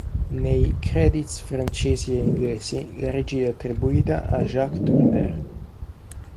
Nei "credits" francesi e inglesi la regia è attribuita a Jacques Tourneur.